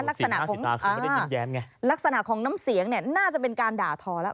ลักษณะของไม่ได้กินไงลักษณะของน้ำเสียงเนี่ยน่าจะเป็นการด่าทอแล้ว